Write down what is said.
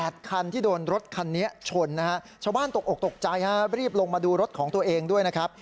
ที่โดนรถคันนี้ชนนะฮะชาวบ้านตกออกตกใจฮะรีบลงมาดูรถของตัวเองด้วยนะครับ